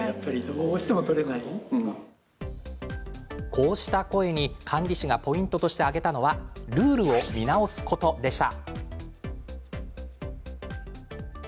こうした声に管理士がポイントとして挙げたのはルールを見直すことでした。